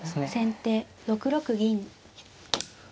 先手６六銀。